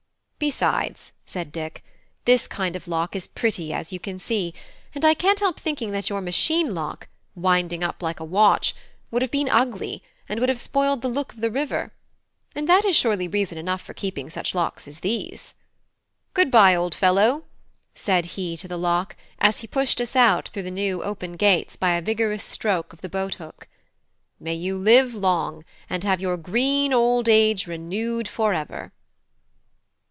"Besides," said Dick, "this kind of lock is pretty, as you can see; and I can't help thinking that your machine lock, winding up like a watch, would have been ugly and would have spoiled the look of the river: and that is surely reason enough for keeping such locks as these. Good bye, old fellow!" said he to the lock, as he pushed us out through the now open gates by a vigorous stroke of the boat hook. "May you live long, and have your green old age renewed for ever!"